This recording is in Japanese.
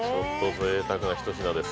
ぜいたくなひと品です。